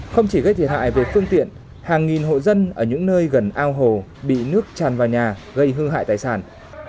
không chỉ gây thiệt hại về phương tiện hàng nghìn hộ dân ở những nơi gần ao hồ bị nước tràn vào nhà gây hư hại tài sản